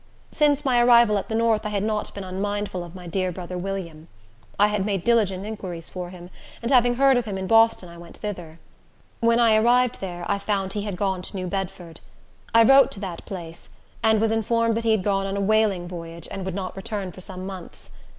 Since my arrival at the north I had not been unmindful of my dear brother William. I had made diligent inquiries for him, and having heard of him in Boston, I went thither. When I arrived there, I found he had gone to New Bedford. I wrote to that place, and was informed he had gone on a whaling voyage, and would not return for some months.